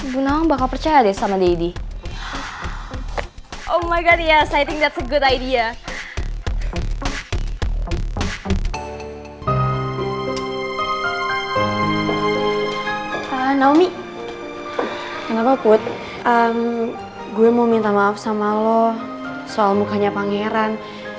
gue mau minta maaf sama lo soal mukanya pangeran